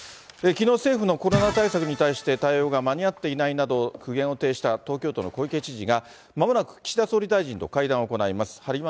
きのう、政府のコロナ対策に対して、対応が間に合っていないなど、苦言を呈した東京都の小池知事が、まもなく岸田総理大臣と会談を行います。